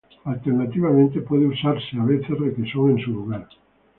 Alternativamente puede usarse a veces requesón en su lugar.